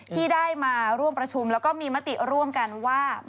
ที่ได้มาร่วมประชุมแล้วก็มีมติร่วมกันว่า